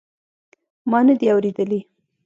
ما ندي اورېدلي.